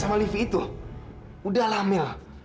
sama livi itu udah lah mel